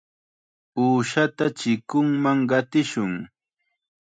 Uushata chikunman qatishun.